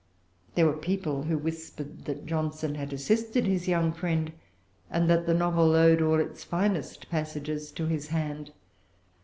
There were people who whispered that Johnson had assisted his young friend, and that the novel owed all its finest passages to his hand.